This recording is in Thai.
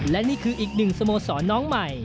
และนี่คืออีกหนึ่งสโมสรน้องใหม่